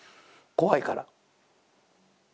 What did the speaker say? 怖いから。